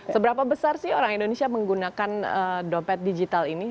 seberapa besar sih orang indonesia menggunakan dompet digital ini